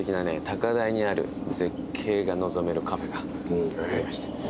高台にある絶景が望めるカフェがありまして。